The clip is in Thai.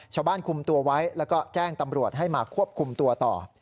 คุมตัวไว้แล้วก็แจ้งตำรวจให้มาควบคุมตัวต่อ